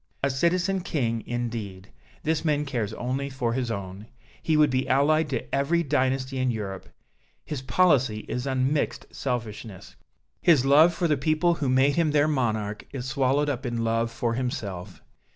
A Citizen King, indeed! This man cares only for his own. He would be allied to every dynasty in Europe. His policy is unmixed selfishness. His love for the people who made him their monarch is swallowed up in love for himself.